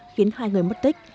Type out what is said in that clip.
khiến hai người mất tích